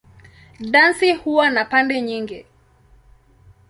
Dansi huwa na pande nyingi.